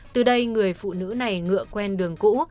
từ đây người phụ nữ này ngựa quen đường cũ